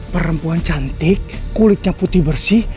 perempuan cantik kulitnya putih bersih